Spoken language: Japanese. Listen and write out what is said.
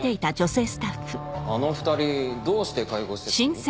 あの２人どうして介護施設に？